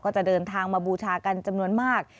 จะเดินทางมาบูชากันจำนวนมาก